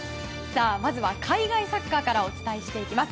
まずは海外サッカーからお伝えしていきます。